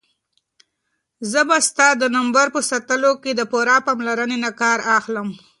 زه به ستا د نمبر په ساتلو کې د پوره پاملرنې نه کار اخلم.